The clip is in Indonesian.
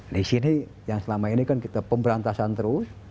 di sini yang selama ini kan kita pemberantasan terus